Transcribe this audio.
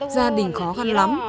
gia đình khó khăn lắm